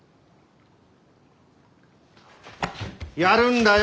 やるんだよ